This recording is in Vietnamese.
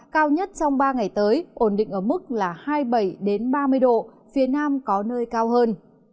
cao nhất trong ba ngày tới ổn định ở mức là hai mươi bảy ba mươi độ phía nam có nơi cao hơn